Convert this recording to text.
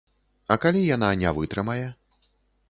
А калі яна не вытрымае?